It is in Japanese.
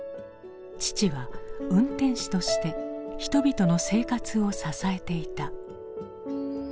父は運転士として人々の生活を支えていた。